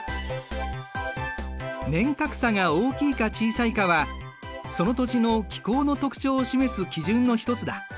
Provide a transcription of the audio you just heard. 年較差が大きいか小さいかはその土地の気候の特徴を示す基準の一つだ。